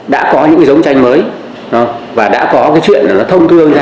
đã có những giống tranh mới và đã có cái chuyện nó thông thương ra